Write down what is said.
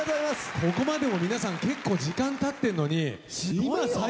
ここまでも皆さん結構時間たってんのに。